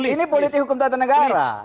ini politik hukum tata negara